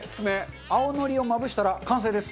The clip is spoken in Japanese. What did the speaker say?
青のりをまぶしたら完成です。